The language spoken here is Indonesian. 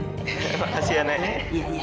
terima kasih nenek